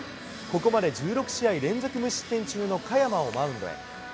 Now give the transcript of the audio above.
ここまで１６試合連続無失点中の嘉弥真をマウンドへ。